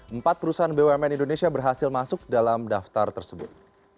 empat perusahaan bumn indonesia berhasil masuk dalam daftar tersebut